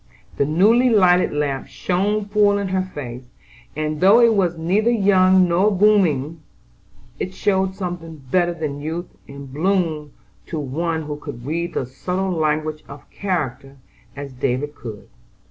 The newly lighted lamp shone full in her face, and though it was neither young nor blooming, it showed something better than youth and bloom to one who could read the subtle language of character as David could.